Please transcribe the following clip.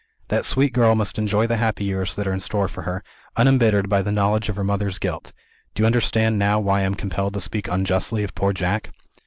That sweet girl must enjoy the happy years that are in store for her, unembittered by the knowledge of her mother's guilt. Do you understand, now, why I am compelled to speak unjustly of poor Jack?"